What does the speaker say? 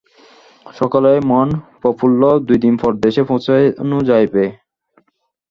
সকলেরই মন প্রফুল্ল, দুইদিন পরেই দেশে পৌঁছানো যাইবে।